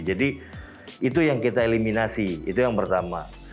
jadi itu yang kita eliminasi itu yang pertama